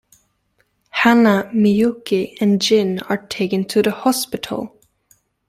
Hana, Miyuki, and Gin are taken to the hospital.